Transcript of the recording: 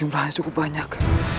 jumlahnya cukup banyak